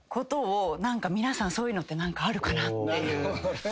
何か皆さんそういうのって何かあるかなっていう。